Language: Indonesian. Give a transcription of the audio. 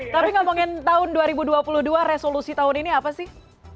tapi ngomongin tahun dua ribu dua puluh dua resolusi tahun ini apa sih